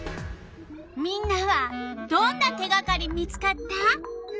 みんなはどんな手がかり見つかった？